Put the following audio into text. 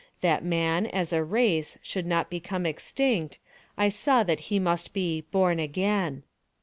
That man, as a race, should not become extinct, I saw that he must be "born again."